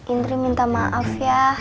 indri minta maaf ya